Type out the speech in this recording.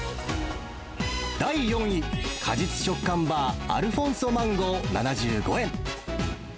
第４位果実食感バーアルフォンソマンゴー７５円。